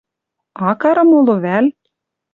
Ак ары моло вӓл?..